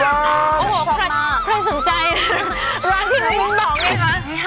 โอ้โหใครสนใจร้านที่น้องมิ้นบอกไงคะ